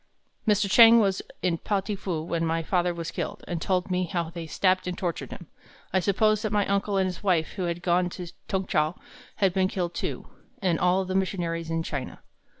"Mr. Chang was in Pao ting fu when my father was killed, and told me how they stabbed and tortured him. I supposed that my uncle and his wife, who had gone to Tung chow, had been killed, too, and all the missionaries in China.